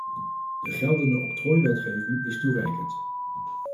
De geldende octrooiwetgeving is toereikend.